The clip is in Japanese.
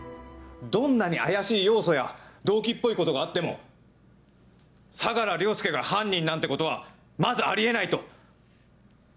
どんなに怪しい要素や動機っぽいことがあっても相良凌介が犯人なんてことはまずあり得ないと。